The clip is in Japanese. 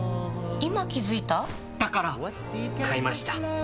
今気付いた？だから！買いました。